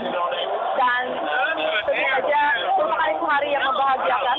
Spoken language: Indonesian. terima kasih tuhan yang membahagiakan